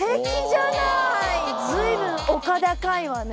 随分丘高いわね。